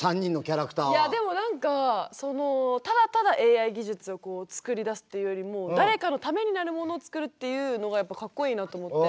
あのいやでも何かただただＡＩ技術をこう作り出すというよりも誰かのためになるものを作るっていうのがやっぱかっこいいなと思って。